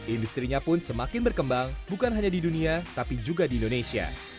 industrinya pun semakin berkembang bukan hanya di dunia tapi juga di indonesia